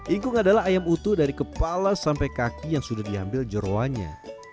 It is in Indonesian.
ingkung adalah ayam utuh dari kepala sampai kaki yang sudah diambil jerawanya